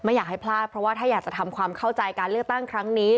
อยากให้พลาดเพราะว่าถ้าอยากจะทำความเข้าใจการเลือกตั้งครั้งนี้